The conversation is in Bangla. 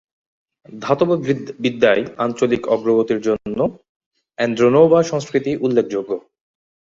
ধাতববিদ্যায় আঞ্চলিক অগ্রগতির জন্য অ্যান্দ্রোনোভো সংস্কৃতি উল্লেখযোগ্য।